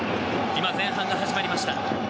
今、前半が始まりました。